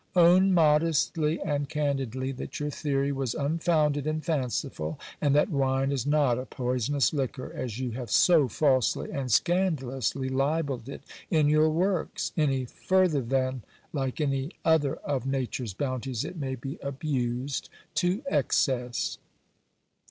Own modestly and candidly that your theory was unfounded and fanciful, and that wine is not a poisonous liquor, as you have so falsely and scandalously libelled it in your works, any further than, like any other of nature's bounties, it may be abused to excess.